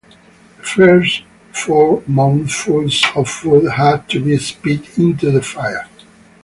The first four mouthfuls of food had to be spit into the fire.